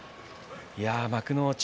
幕内